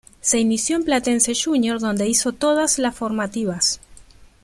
Se inició en Platense Junior donde hizo todas las formativas.